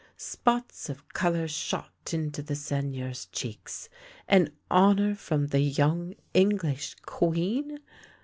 Spots of colour shot into the Seigneur's cheeks. An honour from the young English Queen